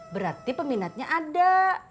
berarti peminatnya ada